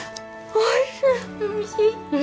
おいしい？